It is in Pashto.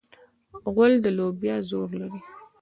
غول د لوبیا زور لري.